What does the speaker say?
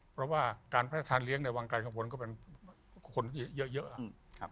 เพราะว่าการพระราชทานเลี้ยงในวังไกลกังวลก็เป็นคนเยอะ